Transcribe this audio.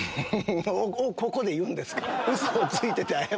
ここで言うんですか？